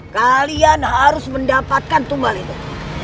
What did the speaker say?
kalian harus mendapatkan tumbal itu